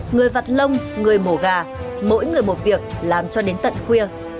người vặt lông người mổ gà mỗi người một việc làm cho đến tận khuya